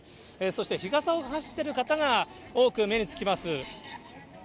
そして日傘を差している方が多く目につきます。